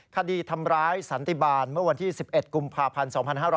คดีทำร้ายสันติบาลเมื่อวันที่๑๑กุมภาพันธ์๒๕๕๙